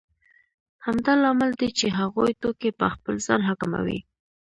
همدا لامل دی چې هغوی توکي په خپل ځان حاکموي